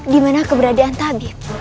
dimana keberadaan tabib